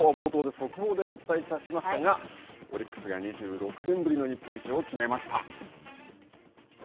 先ほど冒頭で速報でお伝えいたしましたがオリックスが２６年ぶりの日本一を決めました。